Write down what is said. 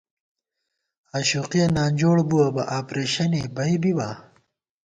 آشوقِیہ نانجوڑ بُوَہ بہ آپرېشِنےبی بِبا